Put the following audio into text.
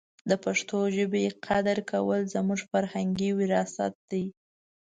د پښتو ژبې قدر کول زموږ فرهنګي وراثت دی.